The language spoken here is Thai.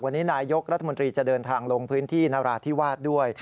วันนี้นายกรัฐมนตรีจะเดินทางลงพื้นที่นราธิวาสด้วย